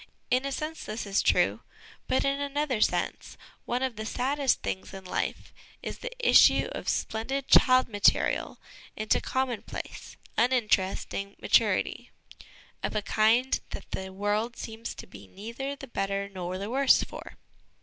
In a sense this is true, but, in another sense, one of the saddest things in life is the issue of splendid child material into com monplace, uninteresting maturity, of a kind that the world seems to be neither the better nor the worse for.